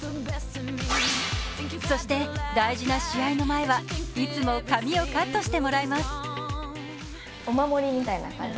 そして、大事な試合の前は、いつも髪をカットしてもらいます。